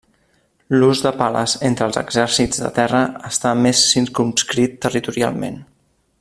L'ús de pales entre els exèrcits de terra està més circumscrit territorialment.